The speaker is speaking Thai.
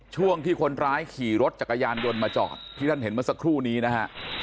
ช่วงที่คนร้ายขี่รถจักรยานยนต์มาจอดที่ท่านเห็นเมื่อสักครู่นี้นะฮะ